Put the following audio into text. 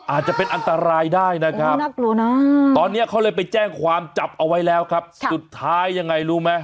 อาจจะเป็นอันตรายได้นะครับน่ากลัวนะตอนนี้เขาเลยไปแจ้งความจับเอาไว้แล้วครับสุดท้ายยังไงรู้ไหม